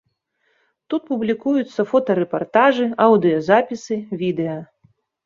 Тут публікуюцца фотарэпартажы, аўдыёзапісы, відэа.